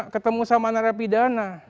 ketemu sama narapidana